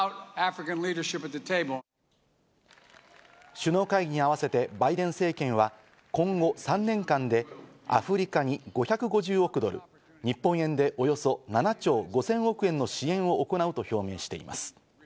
首脳会議に合わせてバイデン政権は今後３年間で、アフリカに５５０億ドル、日本円でおよそ７兆５０００億円の支援を行うと表明しています。